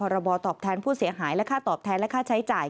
ระบอตอบแทนผู้เสียหายราคาตอบแทนราคาใช้จ่าย